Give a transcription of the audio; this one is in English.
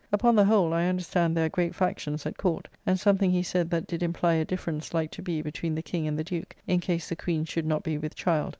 Upon the whole, I understand there are great factions at Court, and something he said that did imply a difference like to be between the King and the Duke, in case the Queen should not be with child.